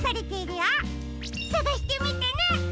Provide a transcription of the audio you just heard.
さがしてみてね！